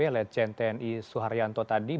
oleh centeni suharyanto tadi